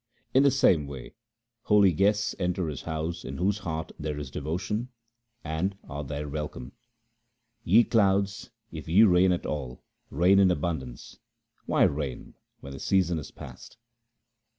In the same way holy guests enter his house in whose heart there is devotion, and are there welcomed. Ye clouds, if ye rain at all, rain in abundance ; why rain when the season is past